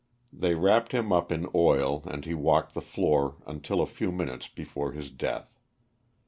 They wrapped him up in oil and he walked the floor until a a few minutes before his death.